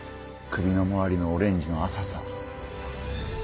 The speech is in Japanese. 首の回りのオレンジの浅さ。